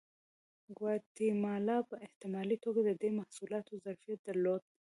ګواتیمالا په احتمالي توګه د دې محصولاتو ظرفیت درلود.